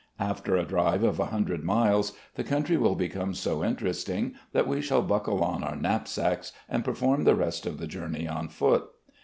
After a drive of a hundred miles the country will become so interesting that we shall buckle on our knapsacks and perform the rest of the journey on foot.